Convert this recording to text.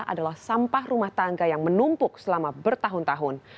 adalah sampah rumah tangga yang menumpuk selama bertahun tahun